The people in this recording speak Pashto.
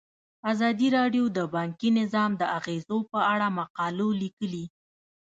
ازادي راډیو د بانکي نظام د اغیزو په اړه مقالو لیکلي.